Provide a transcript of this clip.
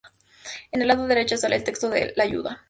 En el lado derecho sale el texto de la ayuda.